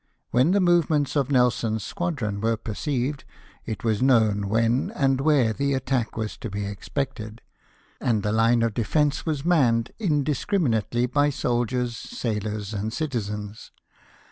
When the movements of Nelson's squadron were perceived, it "was known when and where the attack was to be expected, and the Ime of defence was manned indiscriminately by soldiers, sailors, and citizens.